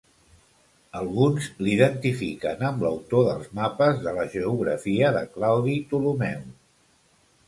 Alguns l'identifiquen amb l'autor dels mapes de la geografia de Claudi Ptolemeu.